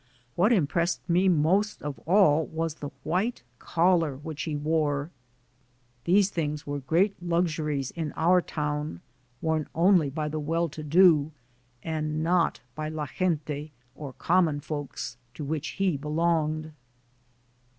What impressed me most of all was the white collar which he wore. These things were great luxuries in our town, worn only by the well to do, and not by "la gente," or common folks, to which he belonged.